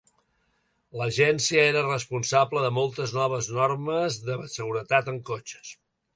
L'agència era responsable de moltes noves normes de seguretat en cotxes.